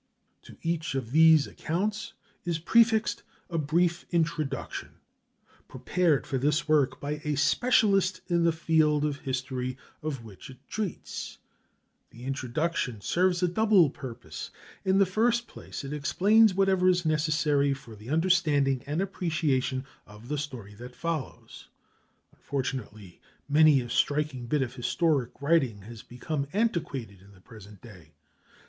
To each of these accounts is prefixed a brief introduction, prepared for this work by a specialist in the field of history of which it treats. This introduction serves a double purpose. In the first place, it explains whatever is necessary for the understanding and appreciation of the story that follows. Unfortunately, many a striking bit of historic writing has become antiquated in the present day.